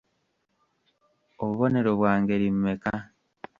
Obubonero bwa ngeri mmeka?